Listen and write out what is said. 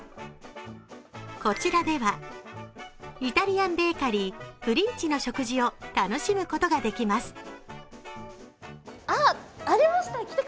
こちらでは、イタリアンベーカリープリンチの食事を楽しむことができます。